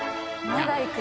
まだいく？